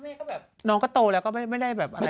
แม่เขาแบบน้องเขาโตแล้วก็ไม่ได้แบบอะไรแล้ว